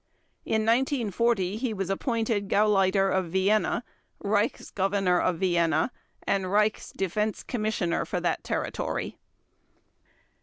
In 1940 he was appointed Gauleiter of Vienna, Reichs Governor of Vienna, and Reichs Defense Commissioner for that territory.